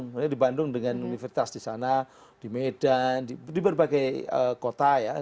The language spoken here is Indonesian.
misalnya di bandung dengan universitas di sana di medan di berbagai kota ya